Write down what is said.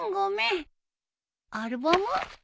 アルバム？